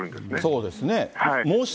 そうですね。